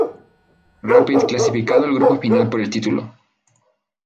Rapid clasificado al grupo final por el título.